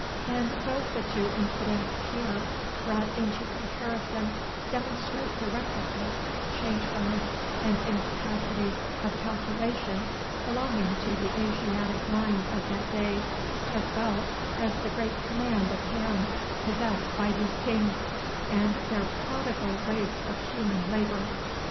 And both the two incidents here brought into comparison demonstrate the recklessness, changefulness, and incapacity of calculation belonging to the Asiatic mind of that day as well as the great command of hands possessed by these kings, and their prodigal waste of human labor.